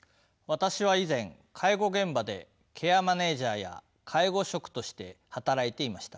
私は以前介護現場でケアマネージャーや介護職として働いていました。